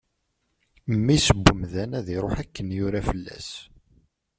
Mmi-s n umdan ad iṛuḥ akken yura fell-as.